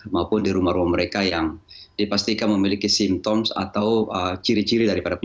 maupun di rumah rumah mereka yang dipastikan memiliki simptom atau ciri ciri dari pandemi